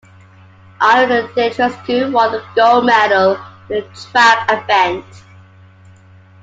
Ion Dumitrescu won the gold medal in the trap event.